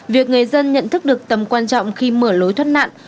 việc người dân nhận thức được tầm quan trọng khi mở lối thoát nạn